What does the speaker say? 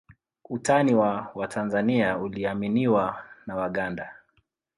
Utani wa Watanzania uliaminiwa na Waganda